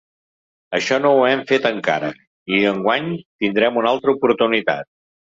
Això no ho hem fet encara, i enguany tindrem una altra oportunitat.